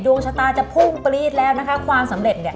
ดวงชะตาจะพุ่งปรี๊ดแล้วนะคะความสำเร็จเนี่ย